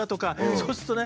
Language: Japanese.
そうするとね